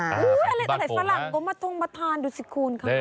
อุ๊ยอะไรใส่สลักก็มาทงมาทานดูสิคุณค่ะ